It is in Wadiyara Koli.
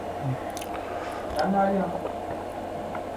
ڌنَ آليون